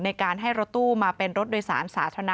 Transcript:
ในการให้รถตู้มาเป็นรถโดยสารสาธารณะ